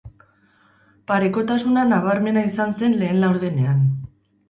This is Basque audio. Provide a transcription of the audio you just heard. Parekotasuna nabarmena izan zen lehen laurdenean.